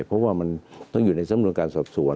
เพราะว่ามันต้องอยู่ในสำนวนการสอบสวน